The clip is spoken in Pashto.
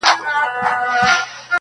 د اختر سهار ته مي.